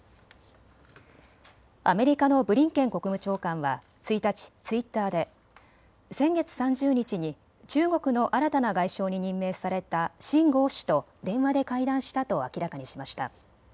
アメリカのブリンケン国務長官は１日、ツイッターで先月３０日に中国の新たな外相に任命された秦剛氏と電話で会談したと明らかにしました。